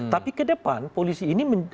tapi kedepan polisi ini